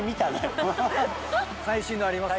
最新のあります？